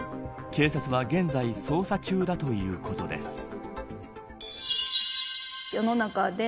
警察は現在捜査中だということです。